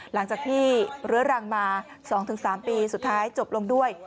หลังจากที่เรื้อรังมา๒๓ปีสุดท้ายจบลงด้วย